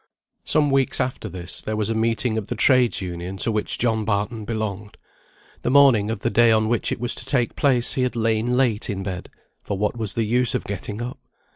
Some weeks after this, there was a meeting of the Trades' Union to which John Barton belonged. The morning of the day on which it was to take place he had lain late in bed, for what was the use of getting up?